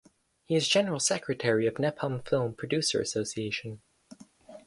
He is General Secretary of Nepal Film Producer Association.